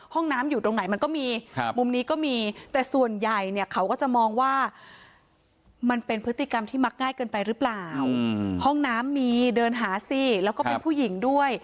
ห้องน้ำมีเดินหาสิแล้วก็เป็นผู้หญิงด้วย